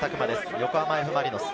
横浜Ｆ・マリノス。